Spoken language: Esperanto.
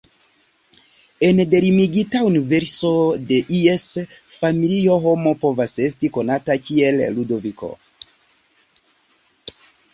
Ene de limigita universo de ies familio homo povas esti konata kiel "Ludoviko".